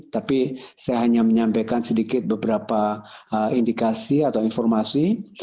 tapi saya hanya menyampaikan sedikit beberapa indikasi atau informasi